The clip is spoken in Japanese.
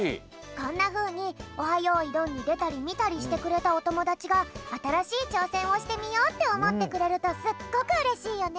こんなふうに「オハ！よいどん」にでたりみたりしてくれたおともだちがあたらしいちょうせんをしてみようっておもってくれるとすっごくうれしいよね！